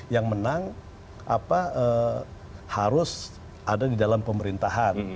yang menang harus ada di dalam pemerintahan